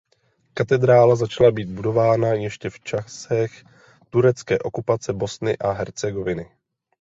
Katedrála začala být budována ještě v časech turecké okupace Bosny a Hercegoviny.